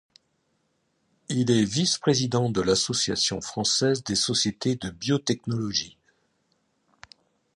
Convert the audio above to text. Il est vice-président de l'Association française des sociétés de biotechnologie.